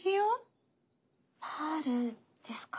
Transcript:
パールですか。